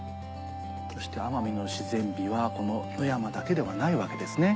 そして奄美の自然美はこの野山だけではないわけですね。